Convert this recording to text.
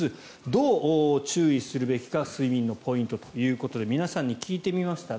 どう注意するべきか睡眠のポイントということで皆さんに聞いてみました。